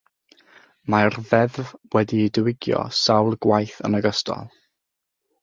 Mae'r Ddeddf wedi'i diwygio sawl gwaith yn ogystal.